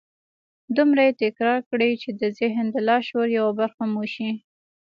دومره يې تکرار کړئ چې د ذهن د لاشعور يوه برخه مو شي.